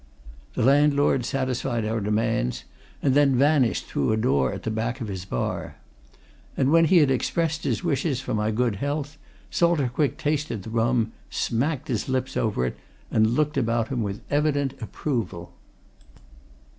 The landlord satisfied our demands, and then vanished through a door at the back of his bar. And when he had expressed his wishes for my good health, Salter Quick tasted the rum, smacked his lips over it, and looked about him with evident approval.